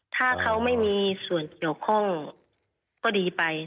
ถ้าเขาไม่มีส่วนเกี่ยวข้องก็ดีไป